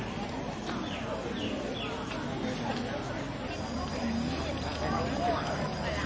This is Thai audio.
น้องชัดอ่อนชุดแรกก็จะเป็นตัวที่สุดท้าย